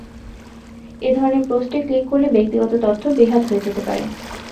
এ ধরনের পোস্টে ক্লিক করলে ব্যক্তিগত তথ্য বেহাত হয়ে যেতে পারে।